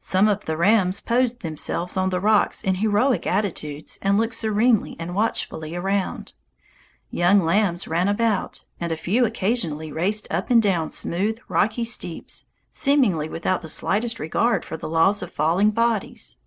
Some of the rams posed themselves on the rocks in heroic attitudes and looked serenely and watchfully around. Young lambs ran about, and a few occasionally raced up and down smooth, rocky steeps, seemingly without the slightest regard for the laws of falling bodies.